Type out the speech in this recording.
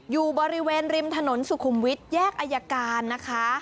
อยู่บริเวณริมถนนสุขุมวิทแยกอายการนะคะ